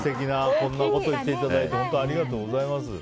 こんなこと言っていただいて本当にありがとうございます。